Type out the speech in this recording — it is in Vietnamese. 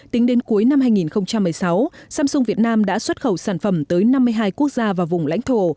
tính đến cuối năm hai nghìn một mươi sáu samsung việt nam đã xuất khẩu sản phẩm tới năm mươi hai quốc gia và vùng lãnh thổ